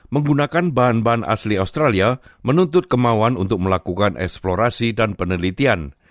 menggunakan bahan bahan asli australia menuntut kemauan untuk melakukan eksplorasi dan penelitian